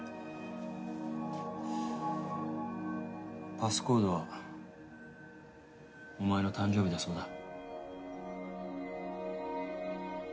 パスコードはお前の誕生日だそうだ。